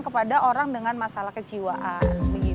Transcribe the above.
kepada orang dengan masalah kejiwaan